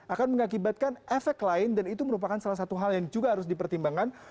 akan mengakibatkan efek lain dan itu merupakan salah satu hal yang juga harus dipertimbangkan